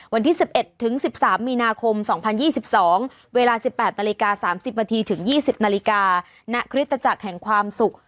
วันที่๑๑ถึง๑๓มีนาคม๒๐๒๒เวลา๑๘นาฬิกา๓๐นาทีถึง๒๐นาฬิกาณคริสตจักรแห่งความสุข